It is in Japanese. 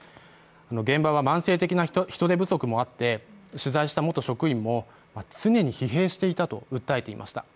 現場は慢性的な人手不足もあって、取材した元職員も常に疲弊していたと訴えていました。